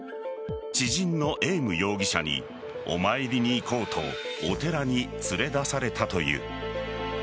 知人のエーム容疑者にお参りに行こうとお寺に連れ出されたという。